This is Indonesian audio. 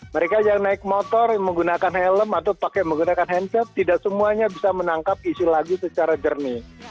mereka yang naik motor yang menggunakan helm atau pakai menggunakan handset tidak semuanya bisa menangkap isi lagu secara jernih